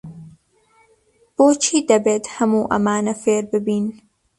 بۆچی دەبێت هەموو ئەمانە فێر ببین؟